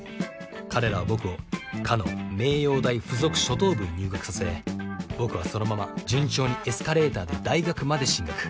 彼らは僕をかの明王大付属初等部に入学させ僕はそのまま順調にエスカレーターで大学まで進学。